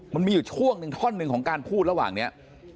มันมีอยู่ช่วงหนึ่งท่อนหนึ่งของการพูดระหว่างนี้